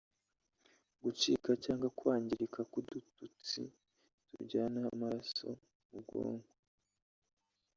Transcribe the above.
Gucika cyangwa kwangirika k’udutsi tujyana amaraso mu bwonko